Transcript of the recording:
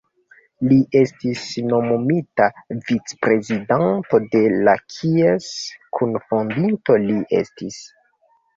Li estis nomumita vic-prezidanto de la kies kunfondinto li estis.